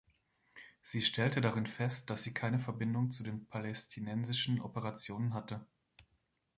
Sie stellte darin fest, dass sie keine Verbindung zu den palästinensischen Operationen hatte.